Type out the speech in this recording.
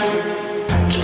gue mau pergi ke rumah